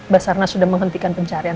basarnas sudah menghentikan pencarian